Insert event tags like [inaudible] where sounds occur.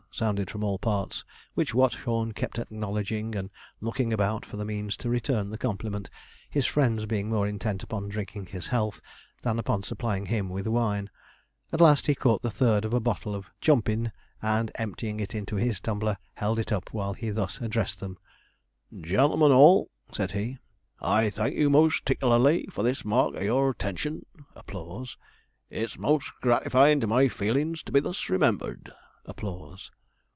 sounded from all parts, which Watchorn kept acknowledging, and looking about for the means to return the compliment, his friends being more intent upon drinking his health than upon supplying him with wine. At last he caught the third of a bottle of 'chumpine,' and, emptying it into his tumbler, held it up while he thus addressed them: 'Gen'lemen all!' said he, 'I thank you most 'ticklarly for this mark of your 'tention; [applause] it's most gratifying to my feelins to be thus remembered. [applause]